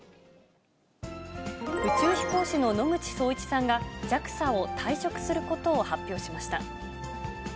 宇宙飛行士の野口聡一さんが、ＪＡＸＡを退職することを発表しました。